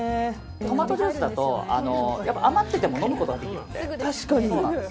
トマトジュースだと余ってても飲むことができるので。